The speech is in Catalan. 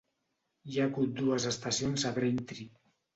Hi ha hagut dues estacions a Braintree.